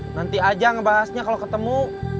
nanti aja ngebahasnya kalau ketemu